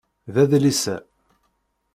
D adlis-a.